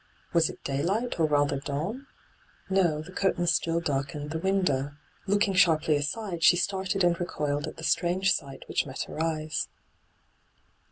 Was it daylight, or, rather, dawn ? No, the curtains still darkened the window. liook ing sharply aside, she started and recoiled at the strange sight which met her eyes.